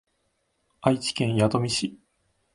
愛知県弥富市